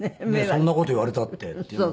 「そんな事言われたって」っていう。